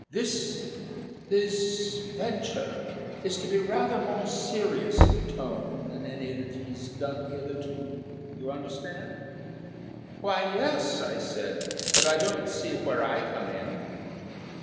This this venture is to be rather more serious in tone than any that he's done hitherto. You understand?" "Why, yes," I said; "but I don't see where I come in."